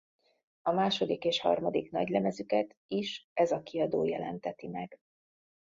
A második és harmadik nagylemezüket is ez a kiadó jelenteti meg.